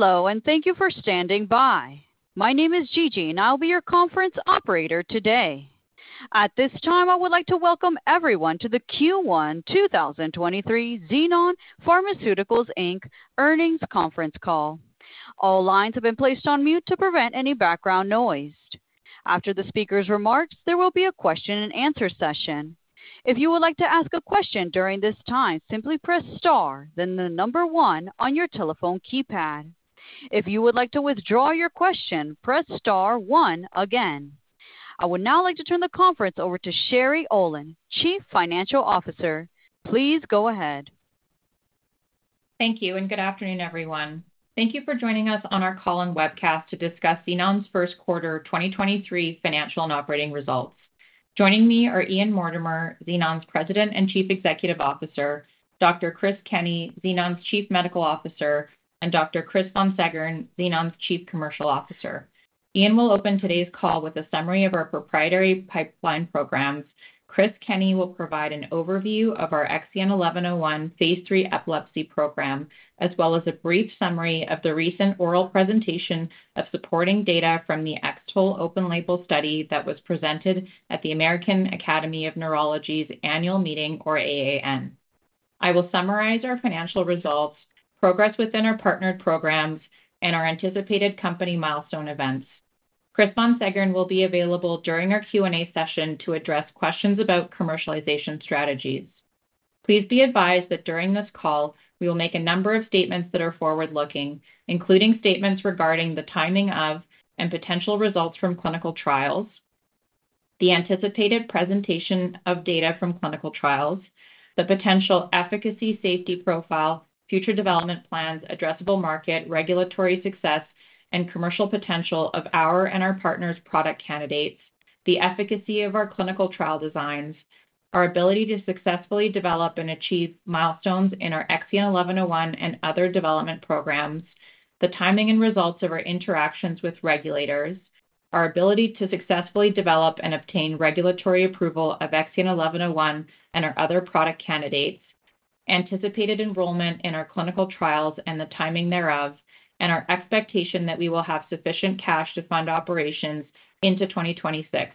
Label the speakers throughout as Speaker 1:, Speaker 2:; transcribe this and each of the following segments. Speaker 1: Hello, thank you for standing by. My name is Gigi, I'll be your conference operator today. At this time, I would like to welcome everyone to the Q1 2023 Xenon Pharmaceuticals Inc. Earnings Conference Call. All lines have been placed on mute to prevent any background noise. After the speaker's remarks, there will be a question and answer session. If you would like to ask a question during this time, simply press star then the number one on your telephone keypad. If you would like to withdraw your question, press star one again. I would now like to turn the conference over to Sherry Aulin, Chief Financial Officer. Please go ahead.
Speaker 2: Thank you and good afternoon, everyone. Thank you for joining us on our call and webcast to discuss Xenon's First Quarter 2023 Financial and Operating Results. Joining me are Ian Mortimer, Xenon's President and Chief Executive Officer, Dr. Chris Kenney, Xenon's Chief Medical Officer, and Dr. Chris Von Seggern, Xenon's Chief Commercial Officer. Ian will open today's call with a summary of our proprietary pipeline programs. Chris Kenney will provide an overview of our XEN1101 phase III epilepsy program, as well as a brief summary of the recent oral presentation of supporting data from the X-TOLE open-label study that was presented at the American Academy of Neurology's annual meeting or AAN. I will summarize our financial results, progress within our partnered programs, and our anticipated company milestone events. Chris Von Seggern will be available during our Q&A session to address questions about commercialization strategies. Please be advised that during this call, we will make a number of statements that are forward-looking, including statements regarding the timing of and potential results from clinical trials, the anticipated presentation of data from clinical trials, the potential efficacy safety profile, future development plans, addressable market, regulatory success, and commercial potential of our and our partners' product candidates, the efficacy of our clinical trial designs, our ability to successfully develop and achieve milestones in our XEN1101 and other development programs, the timing and results of our interactions with regulators, our ability to successfully develop and obtain regulatory approval of XEN1101 and our other product candidates, anticipated enrollment in our clinical trials and the timing thereof, and our expectation that we will have sufficient cash to fund operations into 2026.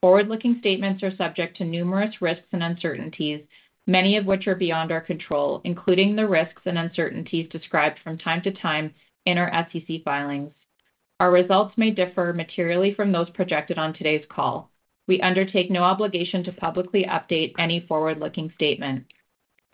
Speaker 2: Forward-looking statements are subject to numerous risks and uncertainties, many of which are beyond our control, including the risks and uncertainties described from time to time in our SEC filings. Our results may differ materially from those projected on today's call. We undertake no obligation to publicly update any forward-looking statement.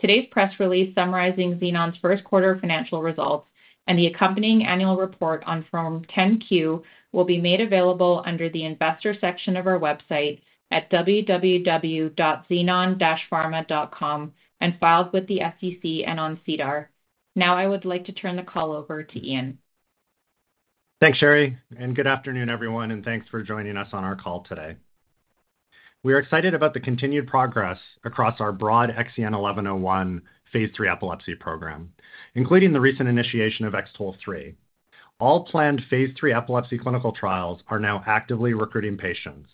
Speaker 2: Today's press release summarizing Xenon's first quarter financial results and the accompanying annual report on Form 10-Q will be made available under the Investors section of our website at www.xenon-pharma.com and filed with the SEC and on SEDAR. Now I would like to turn the call over to Ian.
Speaker 3: Thanks, Sherry. Good afternoon, everyone, and thanks for joining us on our call today. We are excited about the continued progress across our broad XEN1101 phase III epilepsy program, including the recent initiation of X-TOLE3. All planned phase III epilepsy clinical trials are now actively recruiting patients,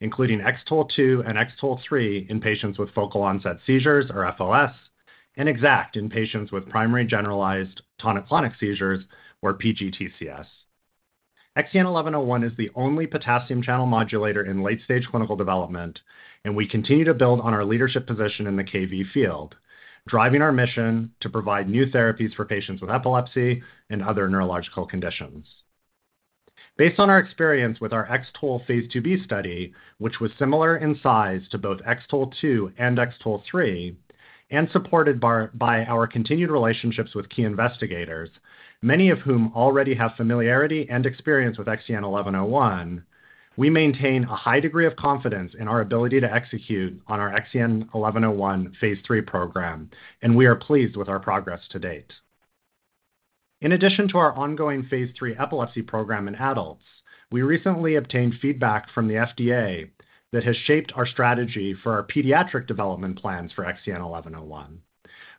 Speaker 3: including X-TOLE2 and X-TOLE3 in patients with focal onset seizures or FOS and X-ACKT in patients with primary generalized tonic-clonic seizures or PGTCS. XEN1101 is the only potassium channel modulator in late-stage clinical development. We continue to build on our leadership position in the Kv7 field, driving our mission to provide new therapies for patients with epilepsy and other neurological conditions. Based on our experience with our X-TOLE phase II-B study, which was similar in size to both X-TOLE2 and X-TOLE3 and supported by our continued relationships with key investigators, many of whom already have familiarity and experience with XEN1101, we maintain a high degree of confidence in our ability to execute on our XEN1101 phase III program. We are pleased with our progress to date. In addition to our ongoing phase III epilepsy program in adults, we recently obtained feedback from the FDA that has shaped our strategy for our pediatric development plans for XEN1101.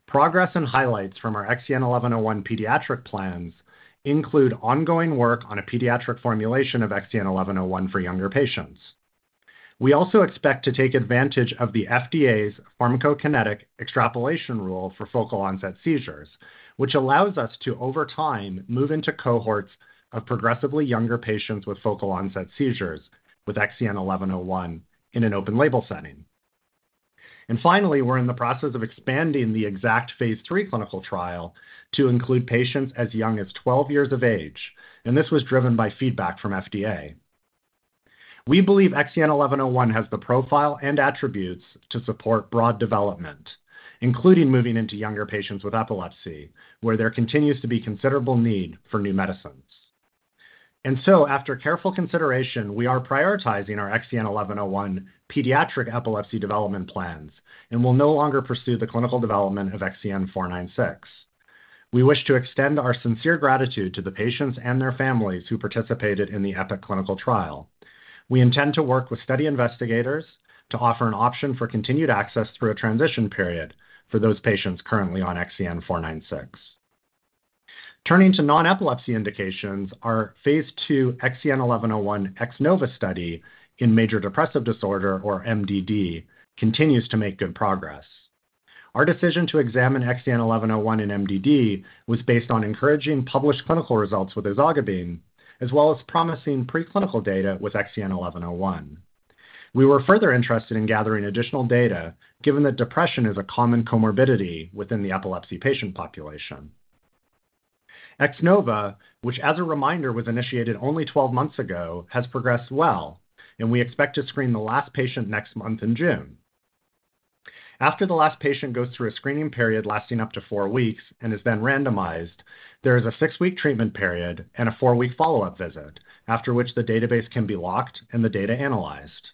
Speaker 3: Progress and highlights from our XEN1101 pediatric plans include ongoing work on a pediatric formulation of XEN1101 for younger patients. We also expect to take advantage of the FDA's pharmacokinetic extrapolation rule for focal onset seizures, which allows us to, over time, move into cohorts of progressively younger patients with focal onset seizures with XEN1101 in an open label setting. Finally, we're in the process of expanding the X-ACKT phase III clinical trial to include patients as young as 12 years of age. This was driven by feedback from FDA. We believe XEN1101 has the profile and attributes to support broad development, including moving into younger patients with epilepsy, where there continues to be considerable need for new medicines. After careful consideration, we are prioritizing our XEN1101 pediatric epilepsy development plans and will no longer pursue the clinical development of XEN496. We wish to extend our sincere gratitude to the patients and their families who participated in the EPIK clinical trial. We intend to work with study investigators to offer an option for continued access through a transition period for those patients currently on XEN496. Our phase II XEN1101 X-NOVA study in major depressive disorder or MDD continues to make good progress. Our decision to examine XEN1101 in MDD was based on encouraging published clinical results with ezogabine, as well as promising preclinical data with XEN1101. We were further interested in gathering additional data given that depression is a common comorbidity within the epilepsy patient population. X-NOVA, which as a reminder, was initiated only 12 months ago, has progressed well, and we expect to screen the last patient next month in June. After the last patient goes through a screening period lasting up to four weeks and is then randomized, there is a six-week treatment period and a four-week follow-up visit, after which the database can be locked and the data analyzed.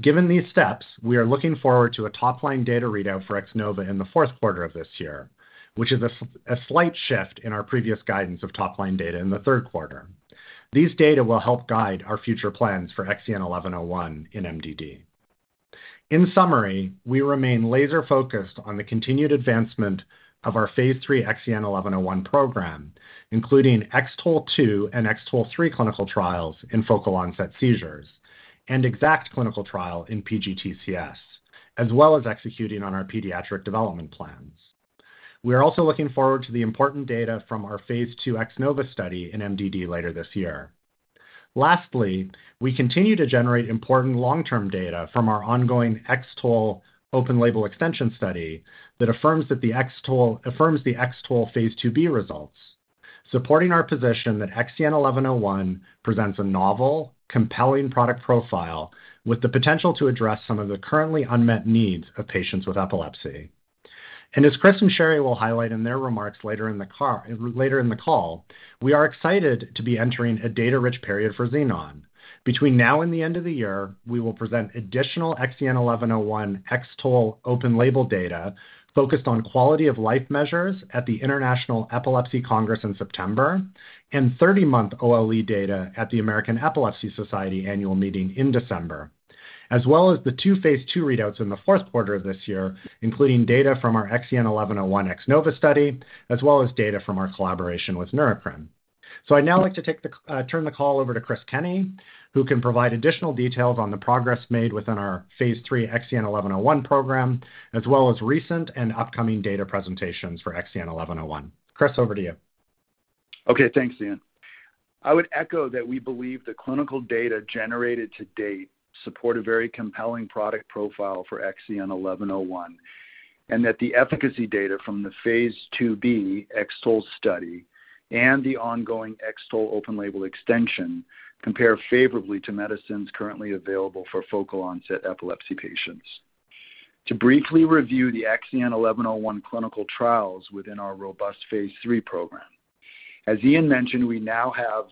Speaker 3: Given these steps, we are looking forward to a top-line data readout for X-NOVA in the fourth quarter of this year, which is a slight shift in our previous guidance of top-line data in the third quarter. These data will help guide our future plans for XEN1101 in MDD. In summary, we remain laser-focused on the continued advancement of our phase III XEN1101 program, including X-TOLE2 and X-TOLE3 clinical trials in focal onset seizures and X-ACKT clinical trial in PGTCS, as well as executing on our pediatric development plans. We are also looking forward to the important data from our phase II X-NOVA study in MDD later this year. Lastly, we continue to generate important long-term data from our ongoing X-TOLE open-label extension study that affirms the X-TOLE phase II-B results, supporting our position that XEN1101 presents a novel, compelling product profile with the potential to address some of the currently unmet needs of patients with epilepsy. As Chris and Sherry will highlight in their remarks later in the call, we are excited to be entering a data-rich period for Xenon. Between now and the end of the year, we will present additional XEN1101 X-TOLE open-label data focused on quality of life measures at the International Epilepsy Congress in September and 30-month OLE data at the American Epilepsy Society annual meeting in December, as well as the two phase II readouts in the fourth quarter of this year, including data from our XEN1101 X-NOVA study, as well as data from our collaboration with Neurocrine. I'd now like to turn the call over to Chris Kenney, who can provide additional details on the progress made within our phase III XEN1101 program, as well as recent and upcoming data presentations for XEN1101. Chris, over to you.
Speaker 4: Okay, thanks, Ian. I would echo that we believe the clinical data generated to date support a very compelling product profile for XEN1101, and that the efficacy data from the phase II-B X-TOLE study and the ongoing X-TOLE open-label extension compare favorably to medicines currently available for focal onset epilepsy patients. To briefly review the XEN1101 clinical trials within our robust phase III program. As Ian mentioned, we now have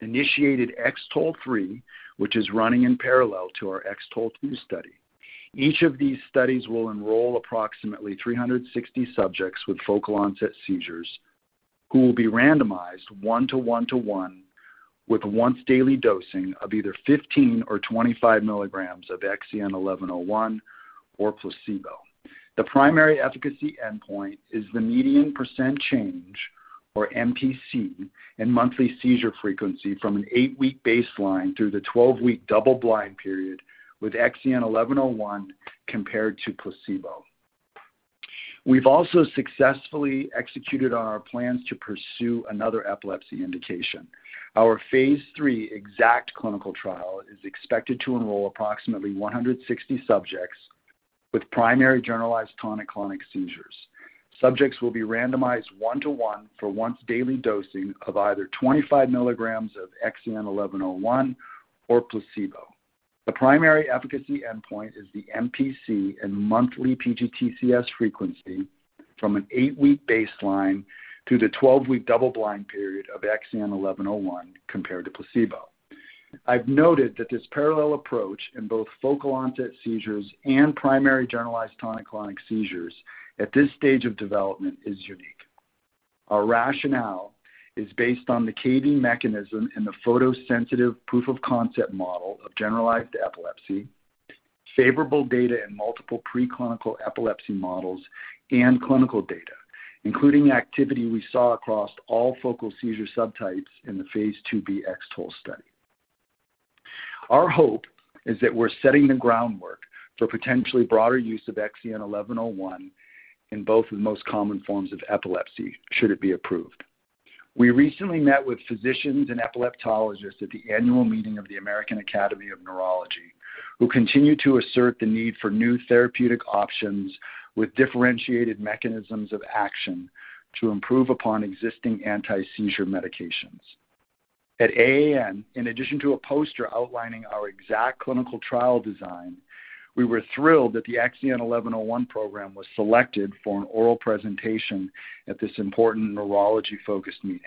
Speaker 4: initiated X-TOLE3, which is running in parallel to our X-TOLE2 study. Each of these studies will enroll approximately 360 subjects with focal onset seizures who will be randomized one to one to one with once-daily dosing of either 15 mg or 25 mg of XEN1101 or placebo. The primary efficacy endpoint is the median percent change, or MPC, in monthly seizure frequency from an eight-week baseline through the 12-week double-blind period with XEN1101 compared to placebo. We've also successfully executed on our plans to pursue another epilepsy indication. Our phase III X-ACKT clinical trial is expected to enroll approximately 160 subjects with primary generalized tonic-clonic seizures. Subjects will be randomized one to one for once daily dosing of either 25 mg of XEN1101 or placebo. The primary efficacy endpoint is the MPC and monthly PGTCS frequency from an eight-week baseline through the 12-week double-blind period of XEN1101 compared to placebo. I've noted that this parallel approach in both focal onset seizures and primary generalized tonic clonic seizures at this stage of development is unique. Our rationale is based on the Kv mechanism and the photosensitive proof of concept model of generalized epilepsy, favorable data in multiple preclinical epilepsy models and clinical data, including activity we saw across all focal seizure subtypes in the phase II-B X-TOLE study. Our hope is that we're setting the groundwork for potentially broader use of XEN1101 in both the most common forms of epilepsy should it be approved. We recently met with physicians and epileptologists at the annual meeting of the American Academy of Neurology, who continue to assert the need for new therapeutic options with differentiated mechanisms of action to improve upon existing anti-seizure medications. At AAN, in addition to a poster outlining our EXACT clinical trial design, we were thrilled that the XEN1101 program was selected for an oral presentation at this important neurology-focused meeting.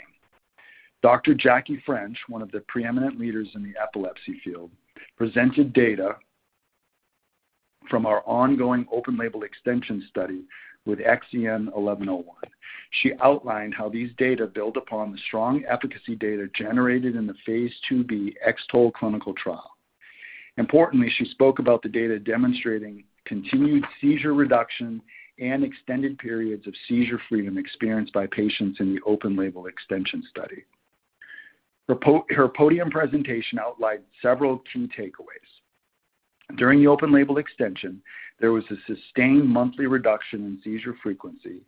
Speaker 4: Dr. Jackie French, one of the preeminent leaders in the epilepsy field, presented data from our ongoing open-label extension study with XEN1101. She outlined how these data build upon the strong efficacy data generated in the phase II-B X-TOLE clinical trial. Importantly, she spoke about the data demonstrating continued seizure reduction and extended periods of seizure freedom experienced by patients in the open-label extension study. Her podium presentation outlined several key takeaways. During the open-label extension, there was a sustained monthly reduction in seizure frequency,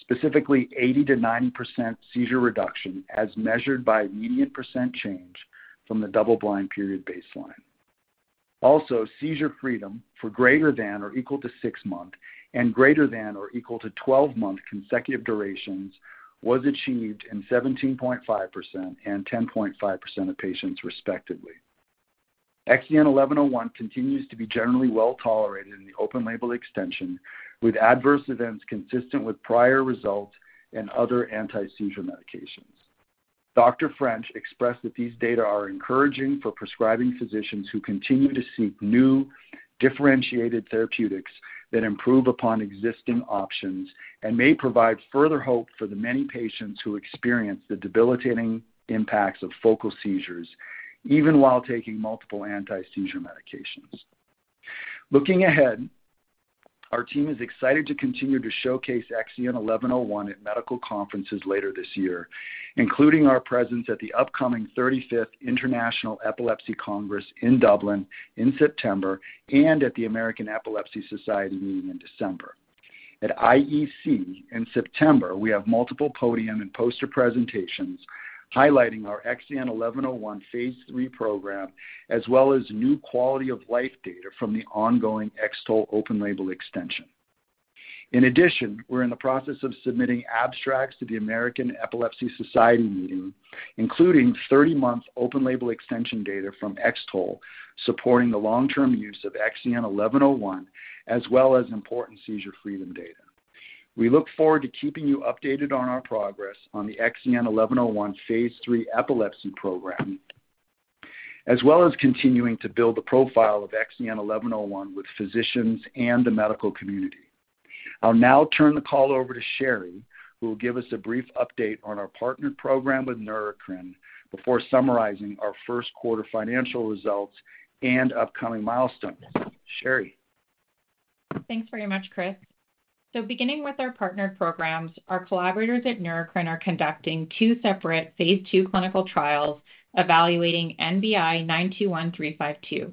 Speaker 4: specifically 80%-90% seizure reduction as measured by median percent change from the double-blind period baseline. Seizure freedom for greater than or equal to six-month and greater than or equal to 12-month consecutive durations was achieved in 17.5% and 10.5% of patients respectively. XEN1101 continues to be generally well-tolerated in the open label extension, with adverse events consistent with prior results and other anti-seizure medications. Dr. Jackie French expressed that these data are encouraging for prescribing physicians who continue to seek new differentiated therapeutics that improve upon existing options and may provide further hope for the many patients who experience the debilitating impacts of focal seizures even while taking multiple anti-seizure medications. Looking ahead, our team is excited to continue to showcase XEN1101 at medical conferences later this year, including our presence at the upcoming 35th International Epilepsy Congress in Dublin in September and at the American Epilepsy Society meeting in December. At IEC in September, we have multiple podium and poster presentations highlighting our XEN1101 phase III program, as well as new quality of life data from the ongoing X-TOLE open label extension. We're in the process of submitting abstracts to the American Epilepsy Society meeting, including 30-month open-label extension data from X-TOLE, supporting the long-term use of XEN1101, as well as important seizure freedom data. We look forward to keeping you updated on our progress on the XEN1101 phase III epilepsy program, as well as continuing to build the profile of XEN1101 with physicians and the medical community. I'll now turn the call over to Sherry, who will give us a brief update on our partnered program with Neurocrine before summarizing our first quarter financial results and upcoming milestones. Sherry.
Speaker 2: Thanks very much, Chris. Beginning with our partnered programs, our collaborators at Neurocrine are conducting two separate phase II clinical trials evaluating NBI-921352.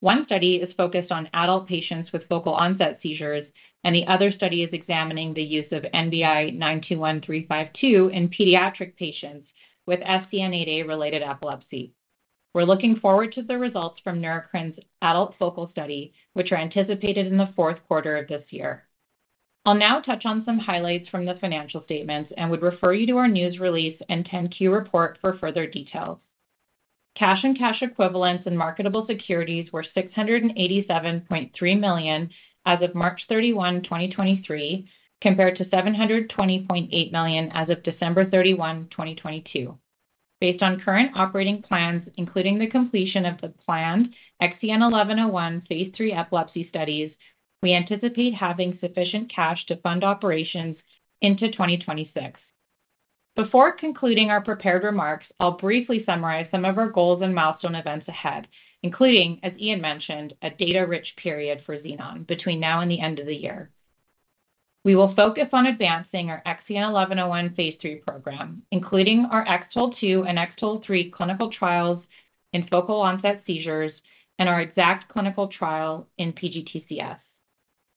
Speaker 2: One study is focused on adult patients with focal onset seizures, the other study is examining the use of NBI-921352 in pediatric patients with SCN8A related epilepsy. We're looking forward to the results from Neurocrine's adult focal study, which are anticipated in the fourth quarter of this year. I'll now touch on some highlights from the financial statements would refer you to our news release and 10-Q report for further details. Cash and cash equivalents and marketable securities were $687.3 million as of March 31, 2023, compared to $720.8 million as of December 31, 2022. Based on current operating plans, including the completion of the planned XEN1101 phase III epilepsy studies, we anticipate having sufficient cash to fund operations into 2026. Before concluding our prepared remarks, I'll briefly summarize some of our goals and milestone events ahead, including, as Ian mentioned, a data-rich period for Xenon between now and the end of the year. We will focus on advancing our XEN1101 phase III program, including our X-TOLE2 and X-TOLE3 clinical trials in focal onset seizures and our X-ACKT clinical trial in PGTCS.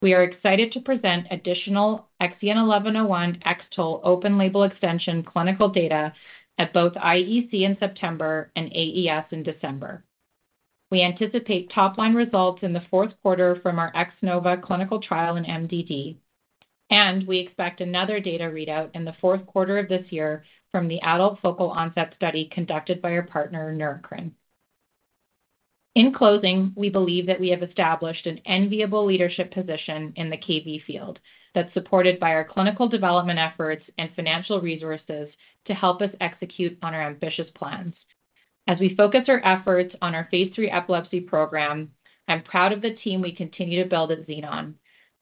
Speaker 2: We are excited to present additional XEN1101 X-TOLE open label extension clinical data at both IEC in September and AES in December. We anticipate top-line results in the fourth quarter from our X-NOVA clinical trial in MDD. We expect another data readout in the fourth quarter of this year from the adult focal onset study conducted by our partner, Neurocrine. In closing, we believe that we have established an enviable leadership position in the Kv field that's supported by our clinical development efforts and financial resources to help us execute on our ambitious plans. As we focus our efforts on our phase III epilepsy program, I'm proud of the team we continue to build at Xenon.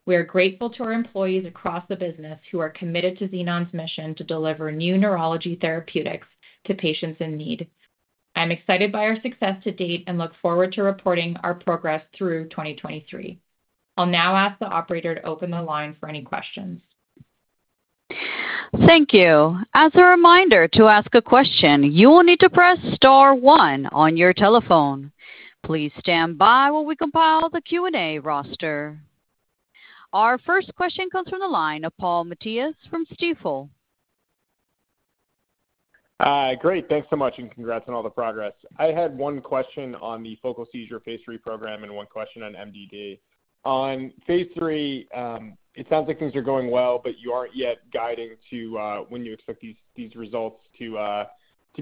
Speaker 2: We are grateful to our employees across the business who are committed to Xenon's mission to deliver new neurology therapeutics to patients in need. I'm excited by our success to date and look forward to reporting our progress through 2023. I'll now ask the operator to open the line for any questions.
Speaker 1: Thank you. As a reminder, to ask a question, you will need to press star one on your telephone. Please stand by while we compile the Q&A roster. Our first question comes from the line of Paul Matteis from Stifel.
Speaker 5: Hi. Great. Thanks so much, and congrats on all the progress. I had one question on the focal seizure phase III program and one question on MDD. On phase III, it sounds like things are going well, but you aren't yet guiding to when you expect these results to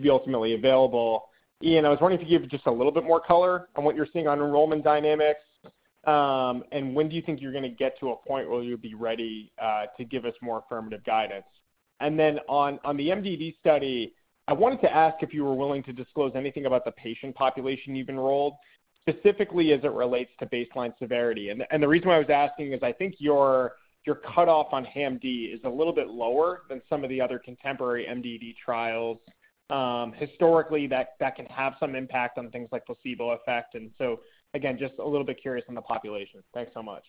Speaker 5: be ultimately available. Ian, I was wondering if you could give just a little bit more color on what you're seeing on enrollment dynamics, and when do you think you're going to get to a point where you'll be ready to give us more affirmative guidance? On the MDD study, I wanted to ask if you were willing to disclose anything about the patient population you've enrolled, specifically as it relates to baseline severity. The reason why I was asking is I think your cutoff on HAM-D is a little bit lower than some of the other contemporary MDD trials. Historically, that can have some impact on things like placebo effect. Again, just a little bit curious on the population. Thanks so much.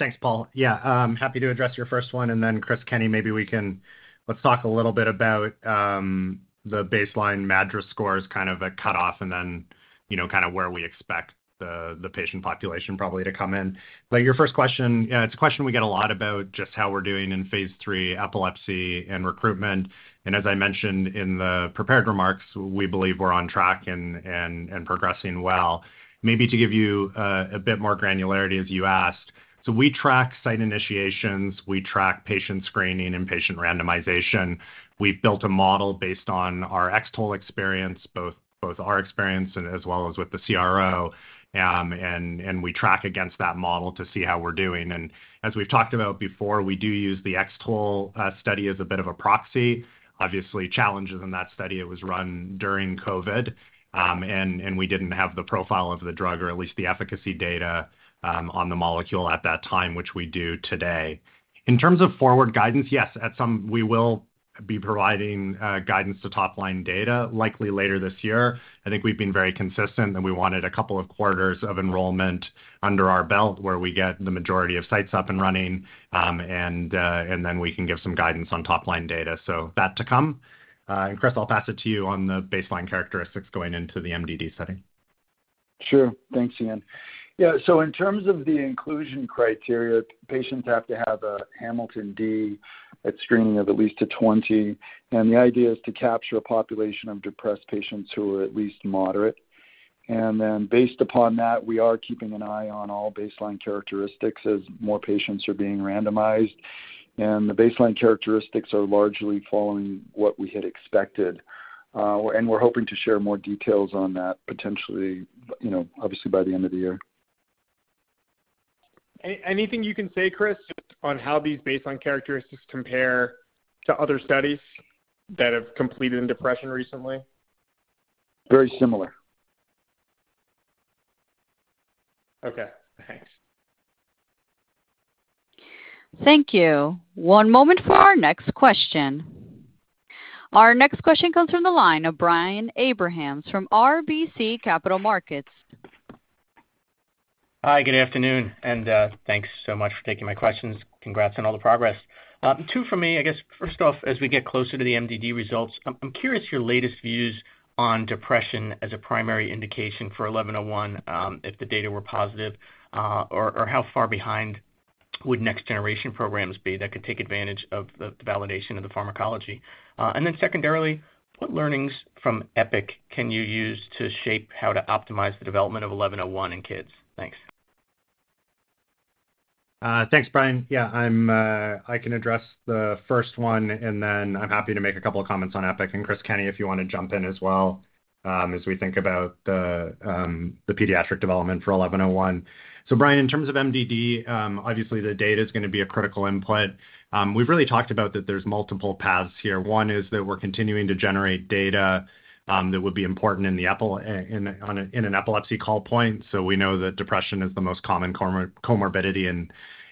Speaker 3: Thanks, Paul. Yeah, happy to address your first one, and then Chris Kenney, maybe we can talk a little bit about the baseline MADRS scores, kind of a cutoff, and then, you know, kind of where we expect the patient population probably to come in. Your first question. It's a question we get a lot about just how we're doing in phase III epilepsy and recruitment. As I mentioned in the prepared remarks, we believe we're on track and progressing well. Maybe to give you a bit more granularity as you asked, so we track site initiations, we track patient screening and patient randomization. We've built a model based on our X-TOLE experience, both our experience and as well as with the CRO, and we track against that model to see how we're doing. As we've talked about before, we do use the X-TOLE study as a bit of a proxy. Obviously, challenges in that study, it was run during COVID, and we didn't have the profile of the drug or at least the efficacy data on the molecule at that time, which we do today. In terms of forward guidance, yes, we will be providing guidance to top-line data likely later this year. I think we've been very consistent, and we wanted a couple of quarters of enrollment under our belt where we get the majority of sites up and running, and then we can give some guidance on top-line data. That to come. Chris, I'll pass it to you on the baseline characteristics going into the MDD setting.
Speaker 4: Sure. Thanks, Ian. Yeah. In terms of the inclusion criteria, patients have to have a HAM-D at screening of at least a 20, and the idea is to capture a population of depressed patients who are at least moderate. Based upon that, we are keeping an eye on all baseline characteristics as more patients are being randomized, and the baseline characteristics are largely following what we had expected. We're hoping to share more details on that potentially, you know, obviously by the end of the year.
Speaker 5: Anything you can say, Chris, just on how these baseline characteristics compare to other studies that have completed in depression recently?
Speaker 4: Very similar.
Speaker 5: Okay. Thanks.
Speaker 1: Thank you. One moment for our next question. Our next question comes from the line of Brian Abrahams from RBC Capital Markets.
Speaker 6: Hi, good afternoon, thanks so much for taking my questions. Congrats on all the progress. Two for me. I guess first off, as we get closer to the MDD results, I'm curious your latest views on depression as a primary indication for eleven oh one, if the data were positive, or how far behind would next generation programs be that could take advantage of the validation of the pharmacology? Secondarily, what learnings from EPIK can you use to shape how to optimize the development of eleven oh one in kids? Thanks.
Speaker 3: Thanks, Brian. Yeah, I'm, I can address the first one, then I'm happy to make a couple of comments on EPIK. Chris Kenney, if you wanna jump in as well, as we think about the pediatric development for 1101. Brian, in terms of MDD, obviously the data is gonna be a critical input. We've really talked about that there's multiple paths here. One is that we're continuing to generate data, that would be important in an epilepsy call point. We know that depression is the most common comorbidity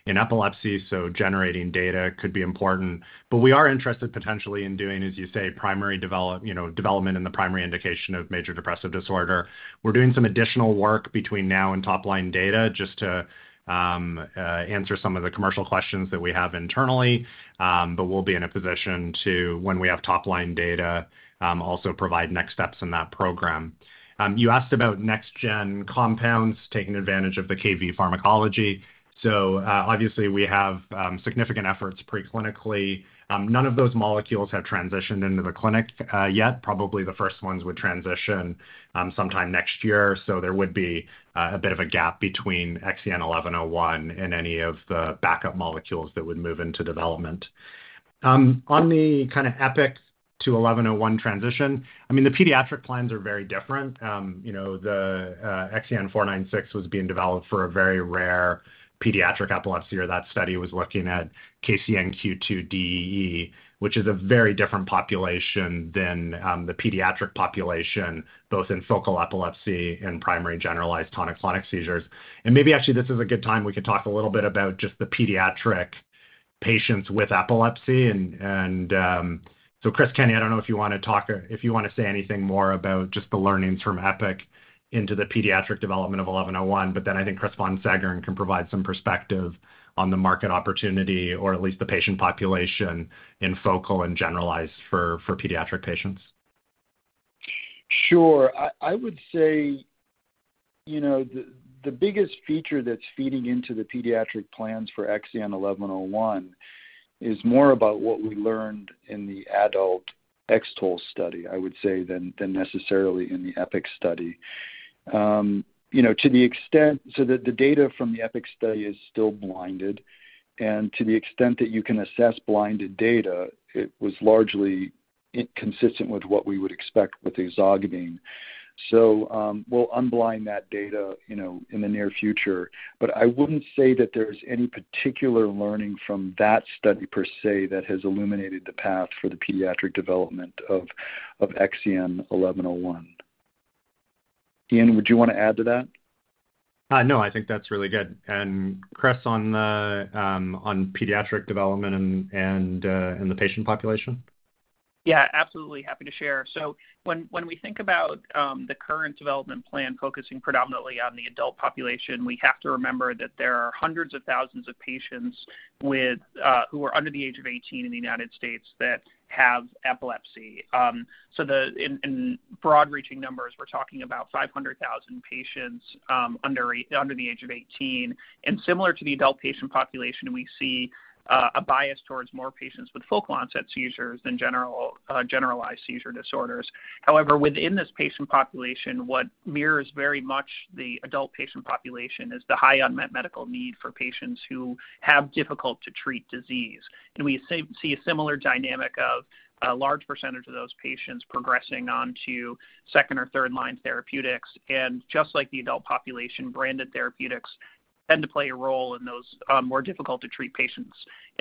Speaker 3: in epilepsy, so generating data could be important. We are interested potentially in doing, as you say, primary you know, development in the primary indication of major depressive disorder. We're doing some additional work between now and top-line data just to answer some of the commercial questions that we have internally. We'll be in a position to when we have top-line data, also provide next steps in that program. You asked about next gen compounds taking advantage of the Kv pharmacology. Obviously, we have significant efforts pre-clinically. None of those molecules have transitioned into the clinic yet. Probably the first ones would transition sometime next year. There would be a bit of a gap between XEN1101 and any of the backup molecules that would move into development. On the kinda EPIK to 1101 transition, I mean, the pediatric plans are very different. You know, the XEN496 was being developed for a very rare pediatric epilepsy, or that study was looking at KCNQ2-DEE, which is a very different population than the pediatric population, both in focal epilepsy and primary generalized tonic-clonic seizures. Maybe actually this is a good time we could talk a little bit about just the pediatric patients with epilepsy and. Chris Kenney, I don't know if you wanna talk or if you wanna say anything more about just the learnings from EPIK into the pediatric development of 1101. I think Chris Von Seggern can provide some perspective on the market opportunity or at least the patient population in focal and generalized for pediatric patients.
Speaker 4: Sure. I would say, you know, the biggest feature that's feeding into the pediatric plans for XEN1101 is more about what we learned in the adult X-TOLE study, I would say, than necessarily in the EPIK study. You know, to the extent the data from the EPIK study is still blinded, and to the extent that you can assess blinded data, it was largely inconsistent with what we would expect with ezogabine. We'll unblind that data, you know, in the near future. I wouldn't say that there's any particular learning from that study per se that has illuminated the path for the pediatric development of XEN1101. Ian, would you wanna add to that?
Speaker 3: No, I think that's really good. Chris, on pediatric development and the patient population.
Speaker 7: Yeah, absolutely happy to share. When we think about the current development plan focusing predominantly on the adult population, we have to remember that there are hundreds of thousands of patients with who are under the age of 18 in the United States that have epilepsy. In broad reaching numbers, we're talking about 500,000 patients under the age of 18. Similar to the adult patient population, we see a bias towards more patients with focal onset seizures than generalized seizure disorders. However, within this patient population, what mirrors very much the adult patient population is the high unmet medical need for patients who have difficult to treat disease. We see a similar dynamic of a large percentage of those patients progressing on to second or third-line therapeutics. Just like the adult population, branded therapeutics tend to play a role in those more difficult to treat patients.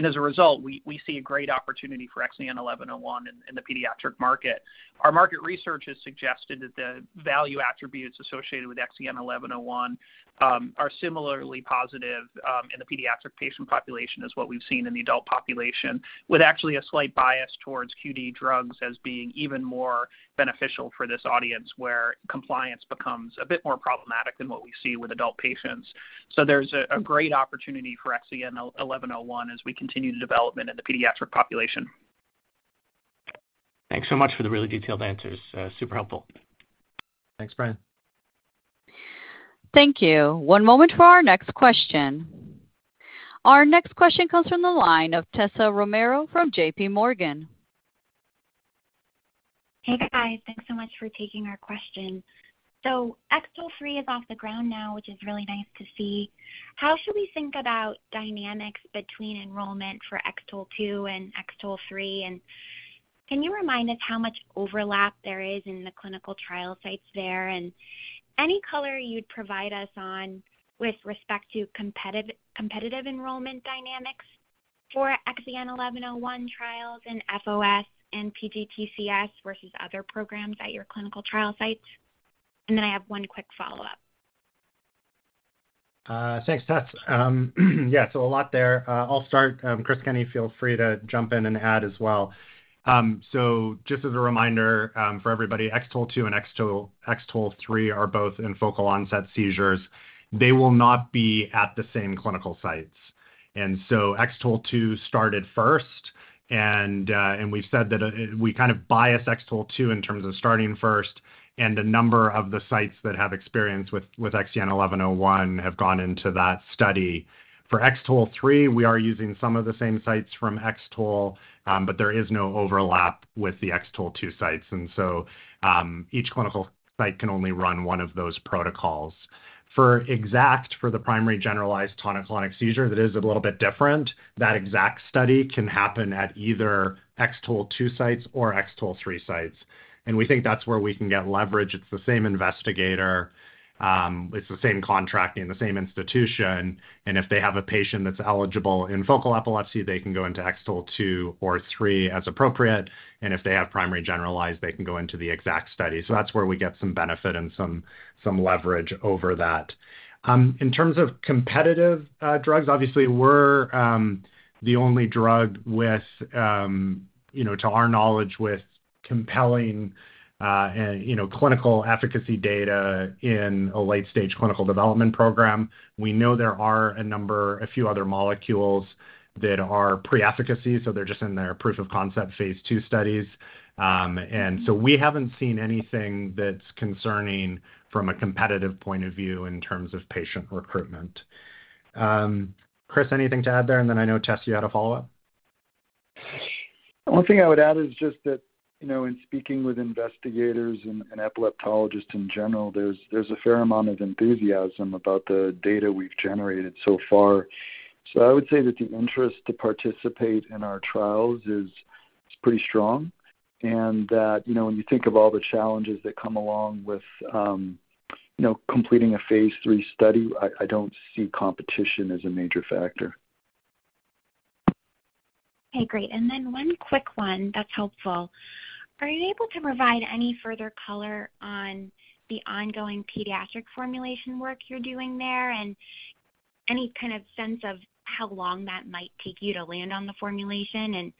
Speaker 7: As a result, we see a great opportunity for XEN1101 in the pediatric market. Our market research has suggested that the value attributes associated with XEN1101 are similarly positive in the pediatric patient population as what we've seen in the adult population, with actually a slight bias towards QD drugs as being even more beneficial for this audience, where compliance becomes a bit more problematic than what we see with adult patients. There's a great opportunity for XEN1101 as we continue the development in the pediatric population.
Speaker 6: Thanks so much for the really detailed answers. Super helpful.
Speaker 3: Thanks, Brian.
Speaker 1: Thank you. One moment for our next question. Our next question comes from the line of Tessa Romero from JPMorgan.
Speaker 8: Hey, guys. Thanks so much for taking our question. X-TOLE3 is off the ground now, which is really nice to see. How should we think about dynamics between enrollment for X-TOLE2 and X-TOLE3? Can you remind us how much overlap there is in the clinical trial sites there? Any color you'd provide us on with respect to competitive enrollment dynamics for XEN1101 trials in FOS and PGTCS versus other programs at your clinical trial sites. I have one quick follow-up.
Speaker 3: Thanks, Tess. Yeah, a lot there. I'll start. Chris Kenney, feel free to jump in and add as well. Just as a reminder, for everybody, X-TOLE2 and X-TOLE3 are both in focal onset seizures. They will not be at the same clinical sites. X-TOLE2 started first, and we've said that we kind of bias X-TOLE2 in terms of starting first. A number of the sites that have experience with XEN1101 have gone into that study. For X-TOLE3, we are using some of the same sites from X-TOLE, but there is no overlap with the X-TOLE2 sites. Each clinical site can only run one of those protocols. For the primary generalized tonic-clonic seizure, that is a little bit different. That exact study can happen at either X-TOLE2 sites or X-TOLE3 sites. We think that's where we can get leverage. It's the same investigator, it's the same contracting, the same institution. If they have a patient that's eligible in focal epilepsy, they can go into X-TOLE2 or 3 as appropriate. If they have primary generalized, they can go into the exact study. That's where we get some benefit and some leverage over that. In terms of competitive drugs, obviously we're the only drug with, you know, to our knowledge, with compelling, you know, clinical efficacy data in a late-stage clinical development program. We know there are a few other molecules that are pre-efficacy, so they're just in their proof of concept phase II studies. We haven't seen anything that's concerning from a competitive point of view in terms of patient recruitment. Chris, anything to add there? I know, Tess, you had a follow-up.
Speaker 4: One thing I would add is just that, you know, in speaking with investigators and epileptologists in general, there's a fair amount of enthusiasm about the data we've generated so far. I would say that the interest to participate in our trials is pretty strong. That, you know, when you think of all the challenges that come along with, you know, completing a phase III study, I don't see competition as a major factor.
Speaker 8: Okay, great. One quick one that's helpful. Are you able to provide any further color on the ongoing pediatric formulation work you're doing there? Any kind of sense of how long that might take you to land on the formulation?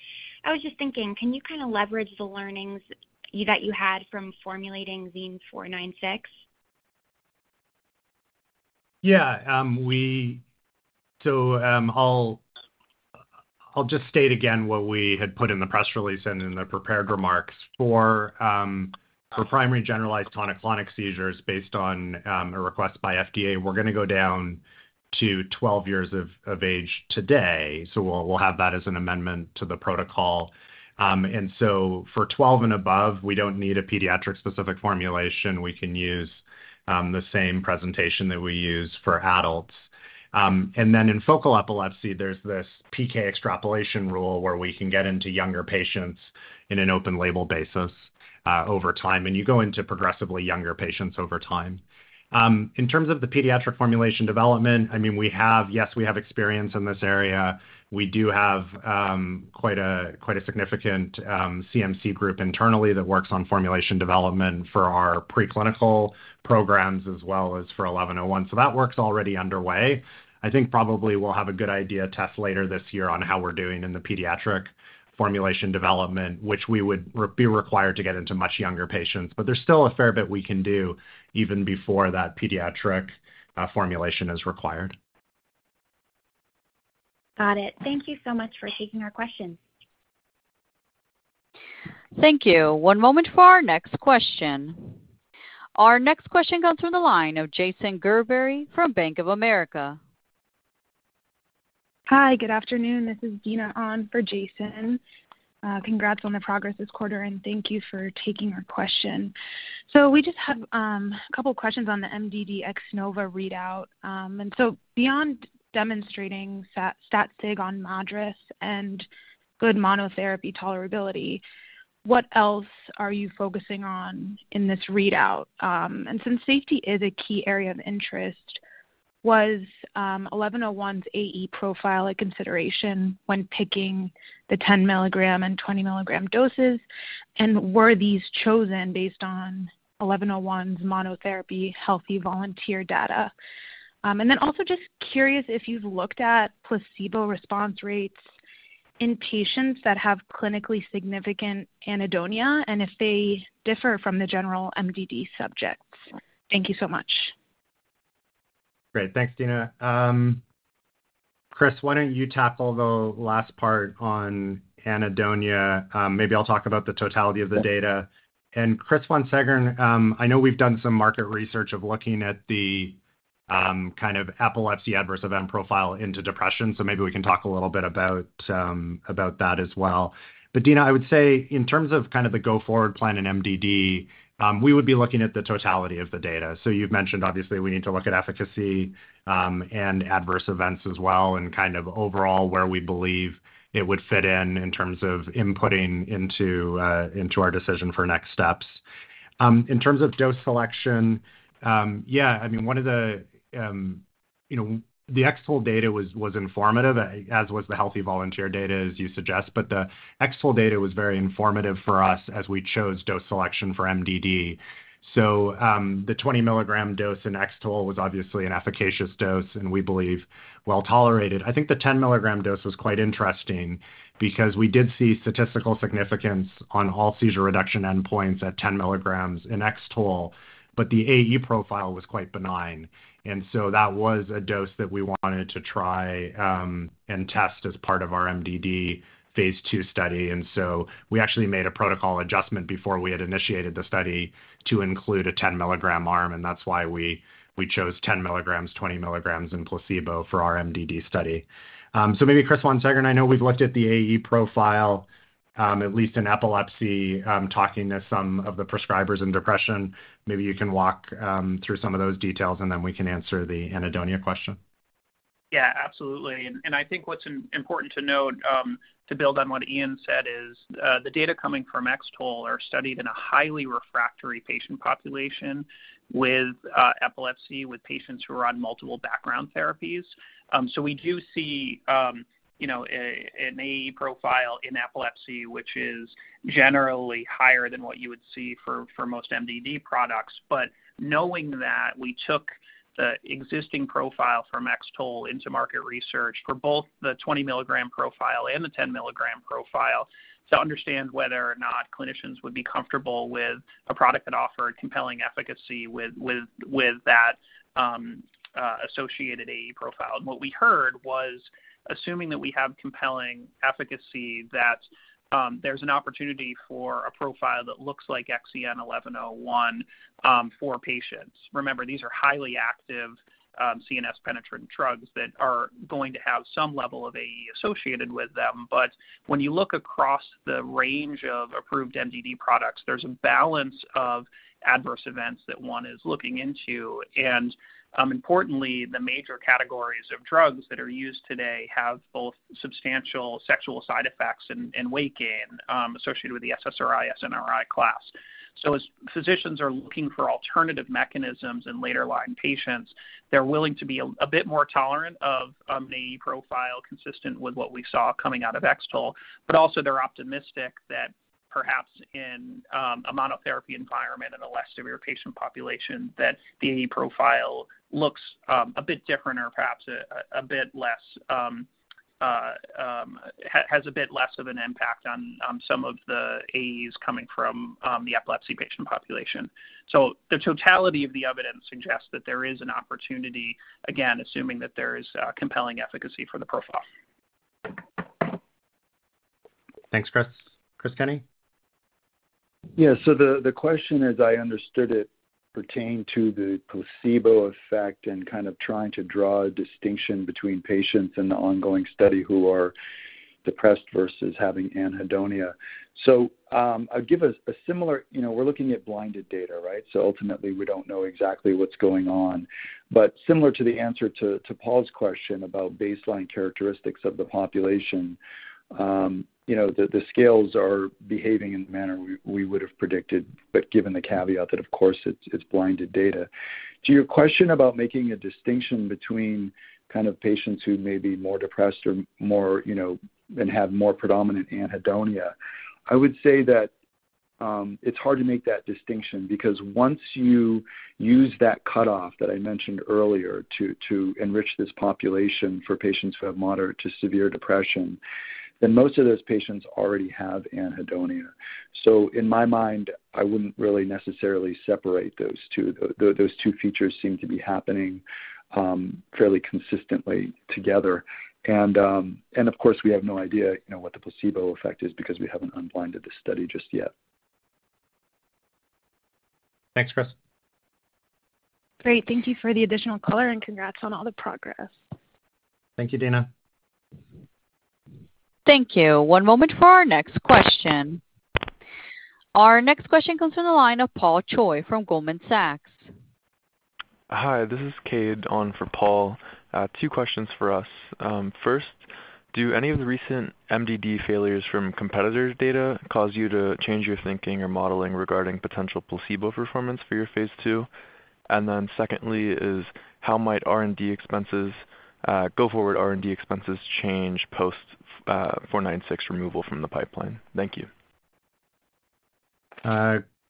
Speaker 8: I was just thinking, can you kind of leverage the learnings that you had from formulating XEN496?
Speaker 3: Yeah, I'll just state again what we had put in the press release and in the prepared remarks. For primary generalized tonic-clonic seizures based on a request by FDA, we're going to go down to 12 years of age today. We'll have that as an amendment to the protocol. For 12 and above, we don't need a pediatric specific formulation. We can use the same presentation that we use for adults. In focal epilepsy, there's this PK extrapolation rule where we can get into younger patients in an open-label basis over time, and you go into progressively younger patients over time. In terms of the pediatric formulation development, I mean, we have experience in this area. We do have, quite a, quite a significant, CMC group internally that works on formulation development for our preclinical programs as well as for 1101. That work's already underway. I think probably we'll have a good idea, Tess, later this year on how we're doing in the pediatric formulation development, which we would be required to get into much younger patients. There's still a fair bit we can do even before that pediatric formulation is required.
Speaker 8: Got it. Thank you so much for taking our question.
Speaker 1: Thank you. One moment for our next question. Our next question comes from the line of Jason Gerberry from Bank of America.
Speaker 9: Hi, good afternoon. This is Dina on for Jason. Congrats on the progress this quarter, and thank you for taking our question. We just have a couple questions on the MDD X-NOVA readout. Beyond demonstrating stat sig on MADRS and good monotherapy tolerability, what else are you focusing on in this readout? Since safety is a key area of interest, was XEN1101's AE profile a consideration when picking the 10 mg and 20 mg doses, and were these chosen based on XEN1101's monotherapy healthy volunteer data? Also just curious if you've looked at placebo response rates in patients that have clinically significant anhedonia and if they differ from the general MDD subjects. Thank you so much.
Speaker 3: Great. Thanks, Dina. Chris, why don't you tackle the last part on anhedonia? Maybe I'll talk about the totality of the data. Chris Von Seggern, I know we've done some market research of looking at the kind of epilepsy adverse event profile into depression, so maybe we can talk a little bit about that as well. Dina, I would say in terms of kind of the go-forward plan in MDD, we would be looking at the totality of the data. You've mentioned obviously we need to look at efficacy, and adverse events as well and kind of overall where we believe it would fit in in terms of inputting into our decision for next steps. In terms of dose selection, yeah, I mean, one of the, you know, the X-TOLE data was informative, as was the healthy volunteer data, as you suggest. The X-TOLE data was very informative for us as we chose dose selection for MDD. The 20 mg dose in X-TOLE was obviously an efficacious dose and we believe, well tolerated. I think the 10 mg dose was quite interesting because we did see statistical significance on all seizure reduction endpoints at 10 mg in X-TOLE, but the AE profile was quite benign. That was a dose that we wanted to try and test as part of our MDD phase II study. We actually made a protocol adjustment before we had initiated the study to include a 10 mg arm, and that's why we chose 10 mg, 20 mg in placebo for our MDD study. Maybe Chris Von Seggern, I know we've looked at the AE profile, at least in epilepsy, talking to some of the prescribers in depression. Maybe you can walk through some of those details, then we can answer the anhedonia question.
Speaker 7: Yeah, absolutely. I think what's important to note, to build on what Ian said is, the data coming from X-TOLE are studied in a highly refractory patient population with epilepsy with patients who are on multiple background therapies. We do see an AE profile in epilepsy, which is generally higher than what you would see for most MDD products. Knowing that, we took the existing profile from X-TOLE into market research for both the 20 mg profile and the 10 mg profile to understand whether or not clinicians would be comfortable with a product that offered compelling efficacy with that associated AE profile. What we heard was, assuming that we have compelling efficacy that there's an opportunity for a profile that looks like XEN1101 for patients. Remember, these are highly active, CNS penetrant drugs that are going to have some level of AE associated with them. When you look across the range of approved MDD products, there's a balance of adverse events that one is looking into. Importantly, the major categories of drugs that are used today have both substantial sexual side effects and weight gain, associated with the SSRI, SNRI class. As physicians are looking for alternative mechanisms in later line patients, they're willing to be a bit more tolerant of, the profile consistent with what we saw coming out of X-TOLE. Also they're optimistic that perhaps in a monotherapy environment and a less severe patient population that the AE profile looks a bit different or perhaps a bit less has a bit less of an impact on some of the AEs coming from the epilepsy patient population. The totality of the evidence suggests that there is an opportunity, again, assuming that there is compelling efficacy for the profile.
Speaker 3: Thanks, Chris. Chris Kenney?
Speaker 4: Yeah. The question as I understood it pertained to the placebo effect and kind of trying to draw a distinction between patients in the ongoing study who are depressed versus having anhedonia. I'll give a similar. You know, we're looking at blinded data, right? Ultimately, we don't know exactly what's going on. Similar to the answer to Paul's question about baseline characteristics of the population, you know, the scales are behaving in the manner we would have predicted, but given the caveat that of course it's blinded data. To your question about making a distinction between kind of patients who may be more depressed or more, you know, and have more predominant anhedonia, I would say that, it's hard to make that distinction because once you use that cutoff that I mentioned earlier to enrich this population for patients who have moderate to severe depression, then most of those patients already have anhedonia. In my mind, I wouldn't really necessarily separate those two. Those two features seem to be happening Fairly consistently together. Of course, we have no idea, you know, what the placebo effect is because we haven't unblinded the study just yet.
Speaker 3: Thanks, Chris.
Speaker 9: Great. Thank you for the additional color, and congrats on all the progress.
Speaker 3: Thank you, Dina.
Speaker 1: Thank you. One moment for our next question. Our next question comes from the line of Paul Choi from Goldman Sachs.
Speaker 10: Hi, this is Cade on for Paul. Two questions for us. First, do any of the recent MDD failures from competitors' data cause you to change your thinking or modeling regarding potential placebo performance for your phase II? Secondly is how might R&D expenses, go forward R&D expenses change post, four nine six removal from the pipeline? Thank you.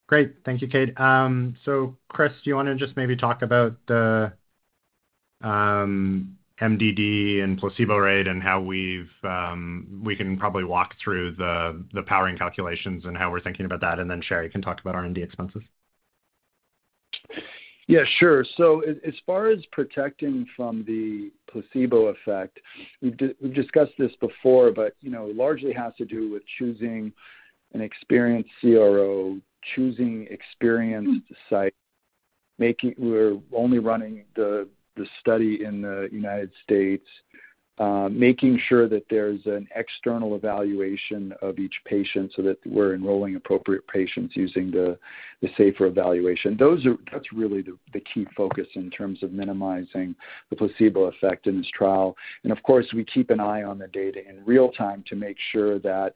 Speaker 3: Great. Thank you, Cade. Chris, do you wanna just maybe talk about the MDD and placebo rate and how we can probably walk through the powering calculations and how we're thinking about that, and then Sherry can talk about R&D expenses?
Speaker 4: Sure. As far as protecting from the placebo effect, we've discussed this before, but, you know, largely has to do with choosing an experienced CRO, choosing experienced site. We're only running the study in the United States. Making sure that there's an external evaluation of each patient so that we're enrolling appropriate patients using the safer evaluation. That's really the key focus in terms of minimizing the placebo effect in this trial. Of course, we keep an eye on the data in real time to make sure that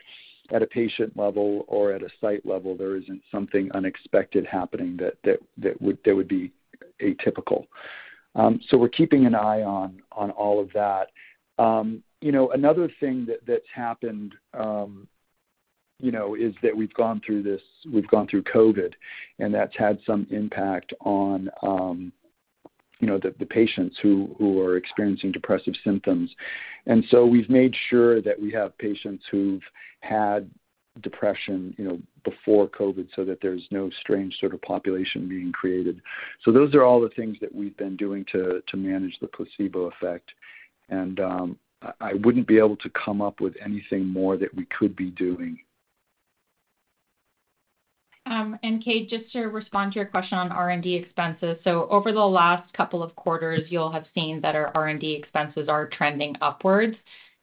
Speaker 4: at a patient level or at a site level, there isn't something unexpected happening that would be atypical. We're keeping an eye on all of that. You know, another thing that's happened, you know, is that we've gone through this, we've gone through COVID, and that's had some impact on, you know, the patients who are experiencing depressive symptoms. We've made sure that we have patients who've had depression, you know, before COVID, so that there's no strange sort of population being created. Those are all the things that we've been doing to manage the placebo effect. I wouldn't be able to come up with anything more that we could be doing.
Speaker 2: Cade, just to respond to your question on R&D expenses. Over the last couple of quarters, you'll have seen that our R&D expenses are trending upwards,